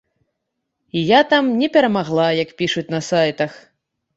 І я там не перамагла, як пішуць на сайтах!